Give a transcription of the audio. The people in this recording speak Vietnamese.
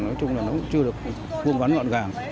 nói chung là nó cũng chưa được vươn vắn ngọn gàng